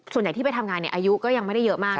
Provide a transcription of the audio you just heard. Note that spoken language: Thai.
ส่วนใหญ่ที่ไปทำงานอายุก็ยังไม่ได้เยอะมาก